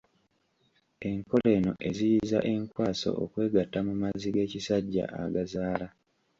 Enkola eno eziyiza enkwaso okwegatta mu mazzi g’ekisajja agazaala.